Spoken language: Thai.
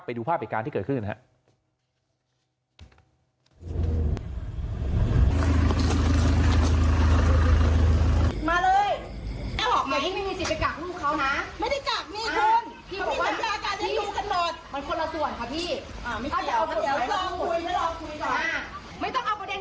ไปดูภาพเหตุการณ์ที่เกิดขึ้นนะครับ